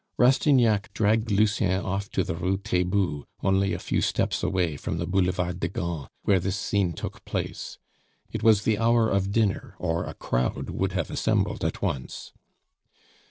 Rastignac dragged Lucien off to the Rue Taitbout, only a few steps away from the Boulevard de Gand, where this scene took place. It was the hour of dinner, or a crowd would have assembled at once.